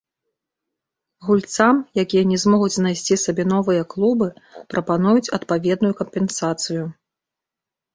Гульцам, якія не змогуць знайсці сабе новыя клубы, прапануюць адпаведную кампенсацыю.